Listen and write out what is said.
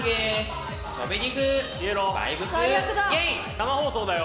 生放送だよ。